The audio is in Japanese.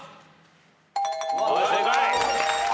正解。